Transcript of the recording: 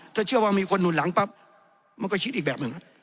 ถ้าเชื่อว่ามีคนหนุนหลังปั๊บมันก็คิดอีกแบบหนึ่ง